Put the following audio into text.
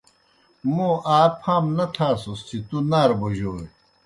موں آ پھام نہ تھاسُس چہ تُوْ نارہ بوجوئے۔